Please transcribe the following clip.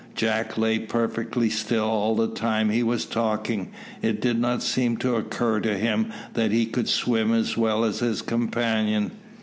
Jack lay perfectly still all the time he was talking. It did not seem to occur to him that he could swim as well as his companion.